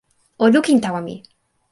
o lukin tawa mi.